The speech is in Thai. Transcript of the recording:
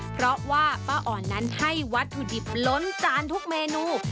เพราะว่าป้าอ่อนนั้นให้วัตถุดิบล้นจานทุกเมนู